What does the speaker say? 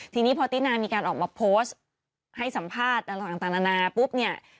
ทีนี้พอตีนาออกมาโพสต์ให้สัมภาษณ์อ่าวดังต่างณปุ๊บเนี่ย